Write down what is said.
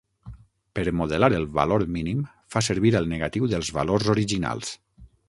Per modelar el valor mínim, fa servir el negatiu dels valors originals.